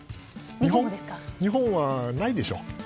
日本はないでしょう。